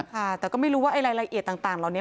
ค่ะแต่ก็ไม่รู้ว่ารายละเอียดต่างเหล่านี้